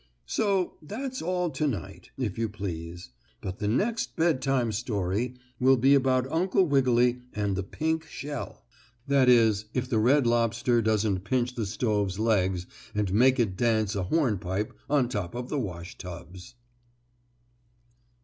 So that's all to night, if you please, but the next Bedtime Story will be about Uncle Wiggily and the pink shell that is if the red lobster doesn't pinch the stove's legs and make it dance a hornpipe on top of the washtubs.